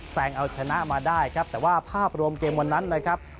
แซงเอาชนะมาได้ครับแต่ว่าภาพรวมเกมวันนั้นนะครับ